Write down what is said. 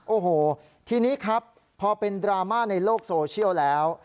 โอ้โหทีนี้ครับพอเป็นดราม่าในโลกโซเชียลแล้ว